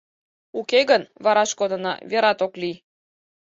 Уке гын, вараш кодына, верат ок лий.